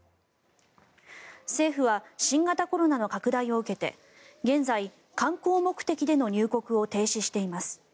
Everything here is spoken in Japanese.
政府は新型コロナの拡大を受けて現在、観光目的での入国を停止しています。